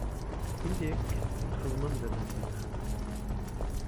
هەندێک خزمم لە لەندەن هەن.